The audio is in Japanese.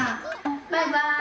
バイバイ！